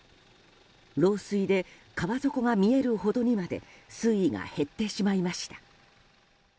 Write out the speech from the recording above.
漏水で川底が見えるほどにまで水位が減ってしまいました。